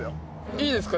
いいですか？